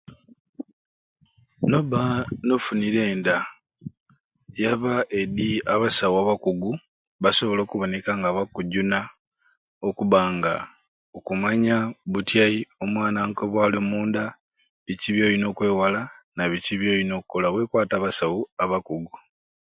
Nobba nofunire enda yaba edi abasawu abakugu basobole okuboneka nga bakkujuna okubba nga okumanya butyai omwana nka naali omunda, biki byoona okwewala nabiki byolina okukola wekwate abasawu abakugu